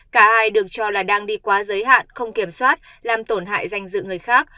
cả ai được cho là đang đi quá giới hạn không kiểm soát làm tổn hại danh dự người khác